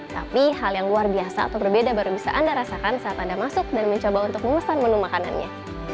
tapi hal yang luar biasa atau berbeda baru bisa anda rasakan saat anda masuk dan mencoba untuk memesan menu makanannya